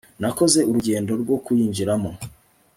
Nakoze urugendo rwo kuyinjiramo